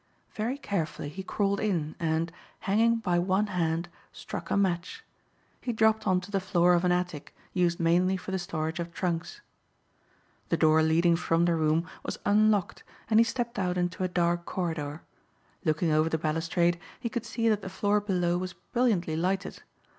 Very carefully he crawled in, and, hanging by one hand, struck a match. He dropped on to the floor of an attic used mainly for the storage of trunks. The door leading from the room was unlocked and he stepped out into a dark corridor. Looking over the balustrade, he could see that the floor below was brilliantly lighted.